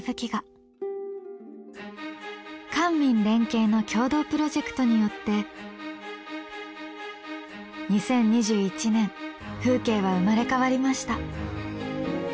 官民連携の協同プロジェクトによって２０２１年風景は生まれ変わりました。